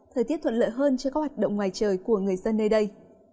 thời tiết thuận lợi hơn cho các hoạt động ngoài trời của người dân nơi đây